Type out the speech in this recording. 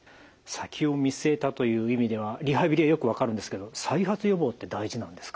先を見据えたという意味ではリハビリはよく分かるんですけど再発予防って大事なんですか？